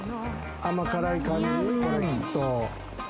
甘辛い感じ？